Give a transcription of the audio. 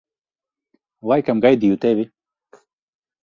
Laikam gaidīju tevi.